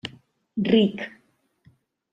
Ric.